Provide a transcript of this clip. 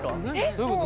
どういうこと？